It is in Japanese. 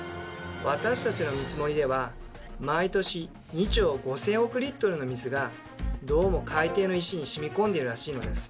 私たちの見積もりでは毎年２兆５，０００億の水がどうも海底の石にしみこんでいるらしいのです。